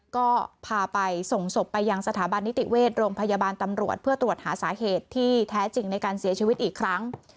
ก็พาไปส่งศพไปยังสถาบันนิติเวชโรงพยาบาลตำรวจเพื่อตรวจหาสาเหตุที่แท้จริงในการเสียชีวิตอีกครั้ง